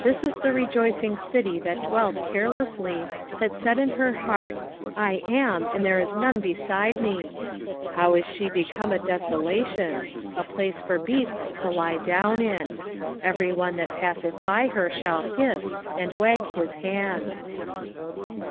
2:15 This is the rejoicing city that dwelt carelessly, that said in her heart, I am, and there is none beside me: how is she become a desolation, a place for beasts to lie down in! every one that passeth by her shall hiss, and wag his hand.